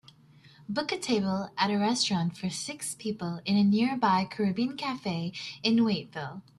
book a table at a restaurant for six people in a nearby caribbean cafe in Waiteville